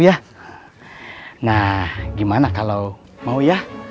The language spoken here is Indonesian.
ya nah gimana kalau mau ya